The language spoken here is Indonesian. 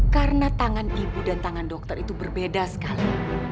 karena tangan ibu dan tangan dokter itu berbeda sekali